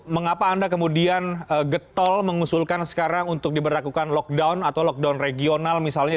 mengapa anda kemudian getol mengusulkan sekarang untuk diberlakukan lockdown atau lockdown regional misalnya